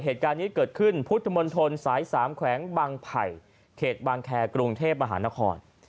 เหตุการณ์นี้เกิดขึ้นพุทธมนตรสาย๓แขวงบางไผ่เขตบางแคร์กรุงเทพมหานคร